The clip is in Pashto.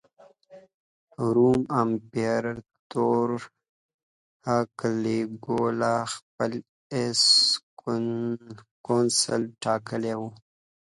روم امپراطور کالیګولا خپل اس کونسلي ټاکلی و.